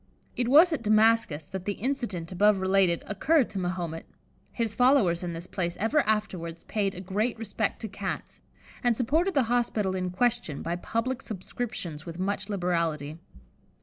It was at Damascus that the incident above related occurred to Mahomet. His followers in this place ever afterwards paid a great respect to Cats, and supported the hospital in question by public subscriptions with much liberality.